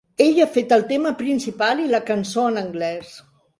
Ell ha fet el tema principal i la cançó en anglès.